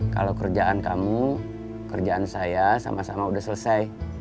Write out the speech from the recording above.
kalau kerjaan kamu kerjaan saya sama sama udah selesai